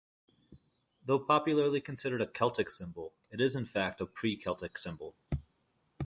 Though popularly considered a "Celtic" symbol, it is in fact a pre-Celtic symbol.